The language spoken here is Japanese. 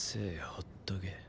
ほっとけ。